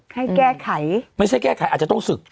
ให้แก้ไขไม่ใช่แก้ไขอาจจะต้องศึก